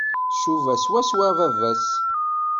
Tcuba swaswa baba-s.